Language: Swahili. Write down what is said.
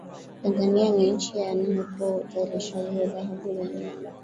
tanzania ni nchi ya nne kwa uzalishaji wa dhahabu duniani